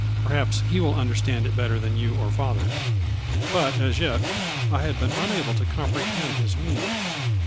Perhaps he will understand it better than you or father." But, as yet, I had been unable to comprehend his meaning.